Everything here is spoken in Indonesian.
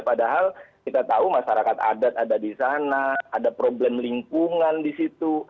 padahal kita tahu masyarakat adat ada di sana ada problem lingkungan di situ